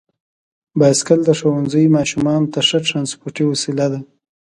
بایسکل د ښوونځي ماشومانو ته ښه ترانسپورتي وسیله ده.